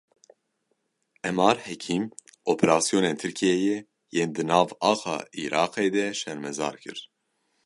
Emar Hekîm, operasyonên Tirkiyeyê yên di nav axa Iraqê de şermezar kir.